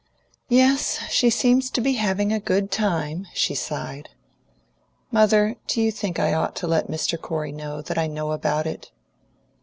"Yes, she seems to be having a good time," she sighed. "Mother, do you think I ought to let Mr. Corey know that I know about it?"